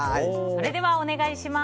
それではお願いします。